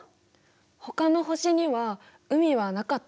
ほかの星には海はなかったの？